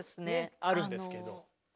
あるんですけど。